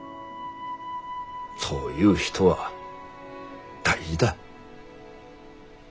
そういう人は大事だ。